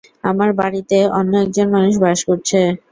আমার বাড়িতে অন্য একজন মানুষ বাস করছে।